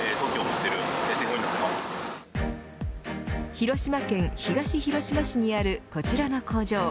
広島県東広島市にあるこちらの工場。